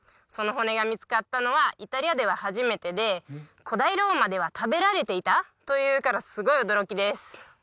その骨が見つかったのはイタリアでは初めてで古代ローマでは食べられていたというからすごい驚きです